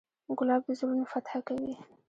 ګلاب د زړونو فتحه کوي.